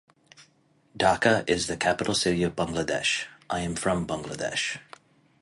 Dhaka is the capital city of Bangladesh. I am from Bangladesh.